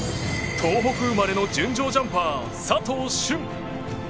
東北生まれの純情ジャンパー佐藤駿。